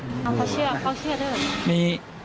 เขาเชื่อด้วยหรือ